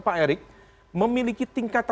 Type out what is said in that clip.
pak erik memiliki tingkat